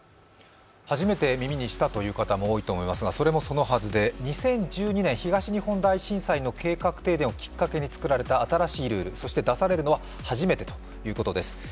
初めて耳にしたという方も多いと思いますがそれもそのはずで、２０１２年東日本大震災の計画停電をきっかけに作られた新しいルール、そして出されるのは初めてということです。